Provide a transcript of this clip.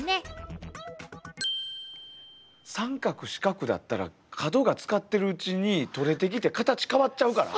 三角四角だったら角が使ってるうちに取れてきてカタチ変わっちゃうから。